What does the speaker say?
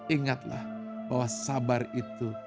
ingatlah bahwa sabar itu